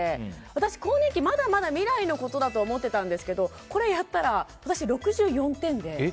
私、更年期まだまだ未来のことだと思ってたんですけどこれやったら、私６４点で。